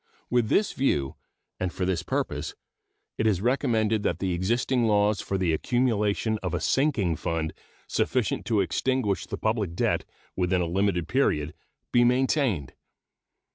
With this view, and for this purpose, it is recommended that the existing laws for the accumulation of a sinking fund sufficient to extinguish the public debt within a limited period be maintained.